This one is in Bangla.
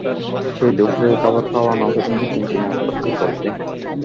সে দুপুরের খাবার খাওয়া না পর্যন্ত ক্যান্টিনে অপেক্ষা করবে।